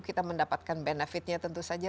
kita mendapatkan benefitnya tentu saja